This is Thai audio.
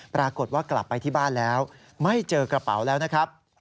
ปรากฏว่ากลับไปที่บ้านแล้วไม่เจอกระเป๋าแล้วนะครับ